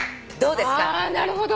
あなるほど！